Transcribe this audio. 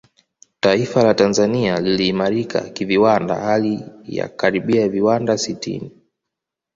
Taifa la Tanzania liliimarika kiviwanda hali ya karibia viwanda sitini